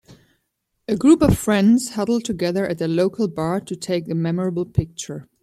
A group of friends huddle together at their local bar to take a memorable picture.